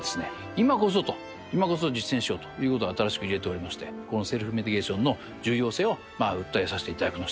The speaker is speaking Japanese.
「今こそ」と「今こそ実践しよう」という事を新しく入れておりましてこのセルフメディケーションの重要性を訴えさせて頂きまして。